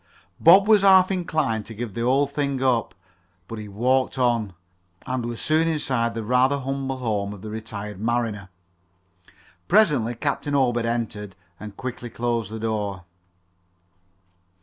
Bob was half inclined to give the whole thing up. But he walked on, and was soon inside the rather humble home of the retired mariner. Presently Captain Obed entered and quickly closed the door.